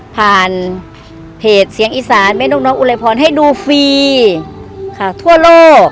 ผ่านเพจเสียงอีสานแม่นกน้องอุไรพรให้ดูฟรีค่ะทั่วโลก